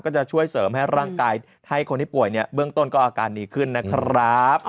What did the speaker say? จะช่วยเสริมให้ร่างกายให้คนที่ป่วยเนี่ยเบื้องต้นก็อาการดีขึ้นนะครับ